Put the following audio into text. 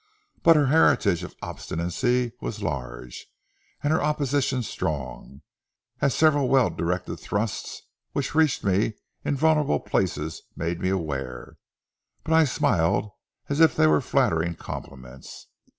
But her heritage of obstinacy was large, and her opposition strong, as several well directed thrusts which reached me in vulnerable places made me aware, but I smiled as if they were flattering compliments.